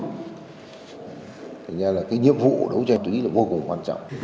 thì nha là cái nhiệm vụ đấu tranh ma túy là vô cùng quan trọng